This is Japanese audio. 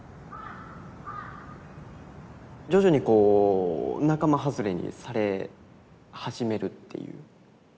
徐々にこう仲間外れにされ始めるっていう。